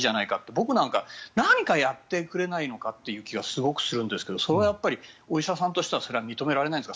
僕なんかは何かやってくれないのかという気はすごくするんですがそれはお医者さんとしては認められないんですか？